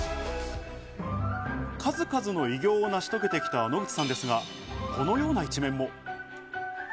数々の偉業を成し遂げてきた野口さんですが、このような一面も。